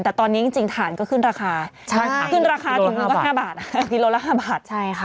แต่ตอนนี้จริงถ่านก็ขึ้นราคาขึ้นราคาถึงก็ลงละ๕บาท